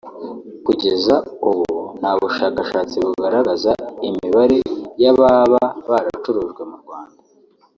Kugeza ubu nta bushakashatsi bugaragaza imibare y’ababa baracurujwe mu Rwanda